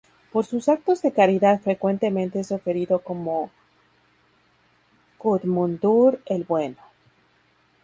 Por sus actos de caridad frecuentemente es referido como Guðmundur el bueno.